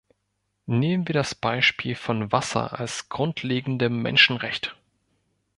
Nehmen wir das Beispiel von Wasser als grundlegendem Menschenrecht.